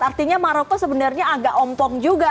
artinya maroko sebenarnya agak ompong juga